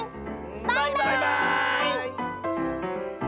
バイバーイ！